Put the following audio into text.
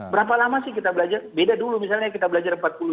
berapa lama sih kita belajar beda dulu misalnya kita belajar empat puluh lima